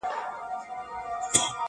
لاره د خیبر، د پښتنو د تلو راتللو ده!.